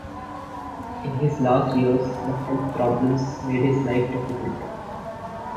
In his last years the health problems made his life difficult.